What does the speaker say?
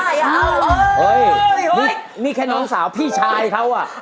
ไม่ไม่อย่าเอาอ้อโอ้ยมี้แค่น้องสาวพี่ชายเขา